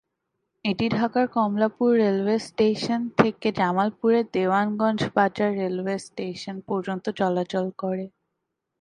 এটি ঢাকার Kamalapur railway station থেকে জামালপুরের দেওয়ানগঞ্জ বাজার রেলওয়ে স্টেশন পর্যন্ত চলাচল করে।